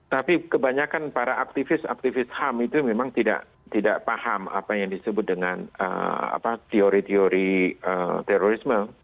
tapi kebanyakan para aktivis aktivis ham itu memang tidak paham apa yang disebut dengan teori teori terorisme